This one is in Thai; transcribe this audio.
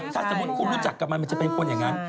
ถ้าสมมุติคุณรู้จักกับมันมันจะเป็นคนอย่างนั้น